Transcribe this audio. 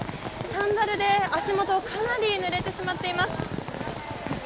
サンダルで足元かなり濡れてしまっています。